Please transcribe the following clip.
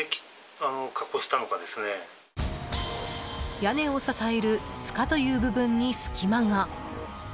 屋根を支えるつかという部分に隙間が。